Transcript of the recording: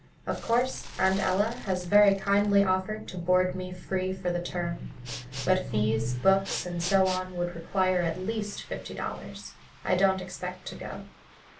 Of course, Aunt Ella has very kindly offered to board me free for the term, but fees, books, and so on would require at least fifty dollars. I don't expect to go."